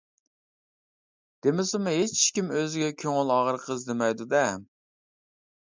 دېمىسىمۇ ھېچكىم ئۆزىگە كۆڭۈل ئاغرىقى ئىزدىمەيدۇ-دە؟ !